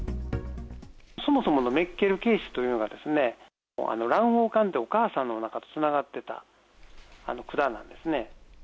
そもそものメッケル憩室というのが、卵黄管って、お母さんのおなかとつながってた管なんです